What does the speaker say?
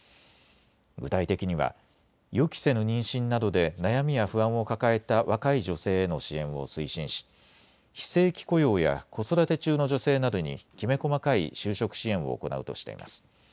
具体的には予期せぬ妊娠などで悩みや不安を抱えた若い女性への支援を推進し非正規雇用や子育て中の女性などにきめ細かい就職支援を行うとしています。